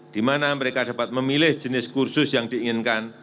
di mana mereka dapat memilih jenis kursus yang diinginkan